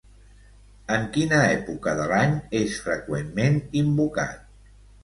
En quina època de l'any és freqüentment invocat?